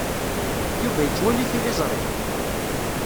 Yuba yettwali tiliẓri?